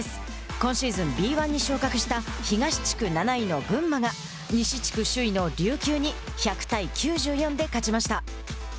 今シーズンＢ１に昇格した東地区７位の群馬が西地区首位の琉球に１００対９４で勝ちました。